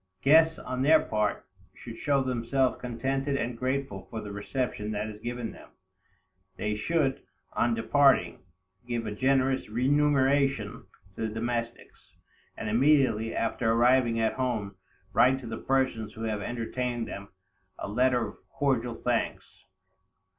Guests, on their part, should show themselves contented and grateful for the reception that is given them. They should, on departing, give a generous remuneration to the domestics, and immediately after arriving at home, write to the persons who have entertained them a letter of cordial thanks.